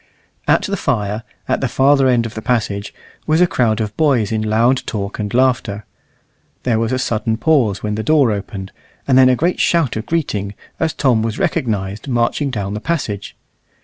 At the fire, at the farther end of the passage, was a crowd of boys in loud talk and laughter. There was a sudden pause when the door opened, and then a great shout of greeting, as Tom was recognized marching down the passage.